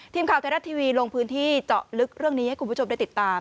ทีมข่าวไทยรัฐทีวีลงพื้นที่เจาะลึกเรื่องนี้ให้คุณผู้ชมได้ติดตาม